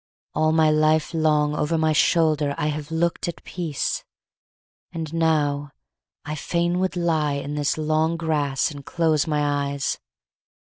All my life long Over my shoulder have I looked at peace; And now I fain would lie in this long grass And close my eyes.